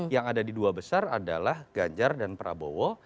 yang ada di dua besar adalah ganjar dan prabowo